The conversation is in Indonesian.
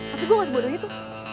tapi gue gak sebodoh itu